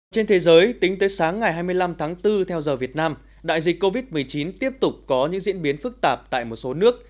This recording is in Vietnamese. trên thế giới tính tới sáng ngày hai mươi năm tháng bốn theo giờ việt nam đại dịch covid một mươi chín tiếp tục có những diễn biến phức tạp tại một số nước